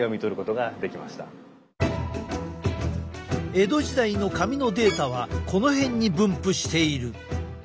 江戸時代の髪のデータはこの辺に分布している。